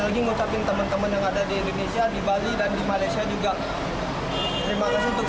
lagi ngucapin teman teman yang ada di indonesia di bali dan di malaysia juga terima kasih untuk